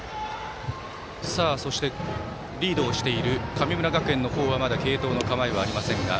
そして、リードをしている神村学園の方はまだ継投の構えはありませんが。